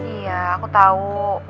iya aku tau